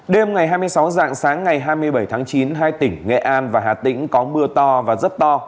đêm ngày hai mươi sáu dạng sáng ngày hai mươi bảy tháng chín hai tỉnh nghệ an và hà tĩnh có mưa to và rất to